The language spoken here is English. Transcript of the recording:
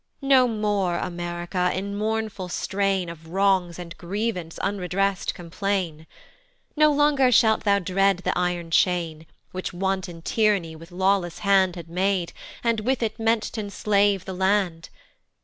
No more, America, in mournful strain Of wrongs, and grievance unredress'd complain, No longer shalt thou dread the iron chain, Which wanton Tyranny with lawless hand Had made, and with it meant t' enslave the land.